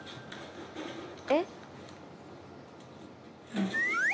えっ？